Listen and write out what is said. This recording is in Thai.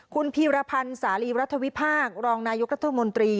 คุณพีรพันธ์สาลีรัฐวิพากษ์รองนายกรัฐมนตรี